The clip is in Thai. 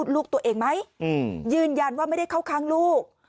ลูกตัวเองไหมยืนยันว่าไม่ได้เข้าข้างลูก